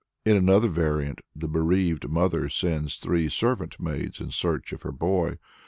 In another variant the bereaved mother sends three servant maids in search of her boy.